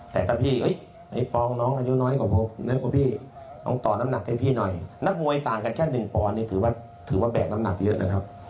แค่๑ปอนด์เนี่ยถือว่าแบกน้ำหนักเยอะนะครับ